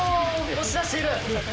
押し出している！